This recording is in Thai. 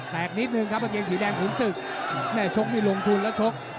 แตกนิดนึงครับกับเกงสีแดงขุนสึก